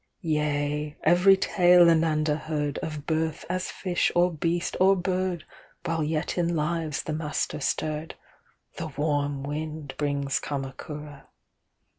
Yea, every tale Ananda heard, Of birth as fish or beast or bird, While yet in lives the Master stirred, The warm wind brings Kamakura.